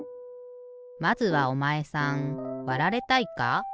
まずはおまえさんわられたいか？